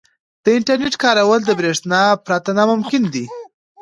• د انټرنیټ کارول د برېښنا پرته ناممکن دي.